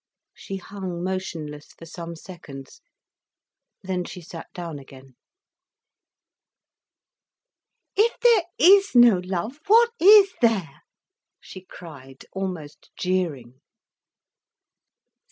She hung motionless for some seconds, then she sat down again. "If there is no love, what is there?" she cried, almost jeering.